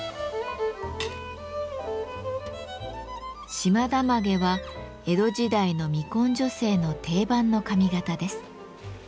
「島田髷」は江戸時代の未婚女性の定番の髪型です。